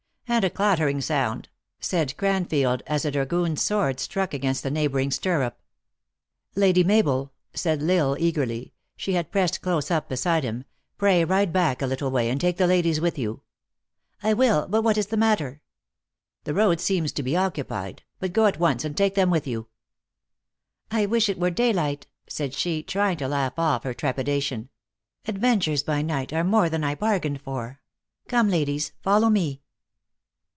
"" And a clattering sound ?" said Cranfield, as a dragoon s sword struck against a neigboring stirrup. "Lady Mabel," said L Isle, eagerly, (she had press ed close up beside him,) " Pray ride back a little way, and take the ladies with you." " I will, but what is the matter ?"" The road seems to be occupied. But go at once, and take them with you." " I wish it were daylight!" said she, trying to laugh off her trepidation." " Adventures by night are more than I bargained for. Come ladies, follow me."